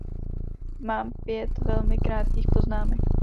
Mám pět velmi krátkých poznámek.